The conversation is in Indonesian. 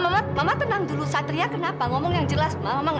mama tenang dulu satria kenapa ngomong yang jelas